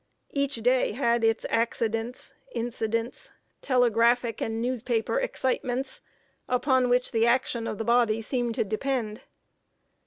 Each day had its accidents, incidents, telegraphic and newspaper excitements, upon which the action of the body seemed to depend.